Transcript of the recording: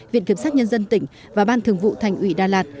viện kiểm sát nhân dân tỉnh và ban thường vụ thành ủy đà lạt